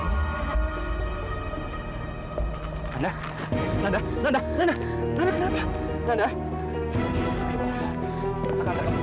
nanda nanda nanda kenapa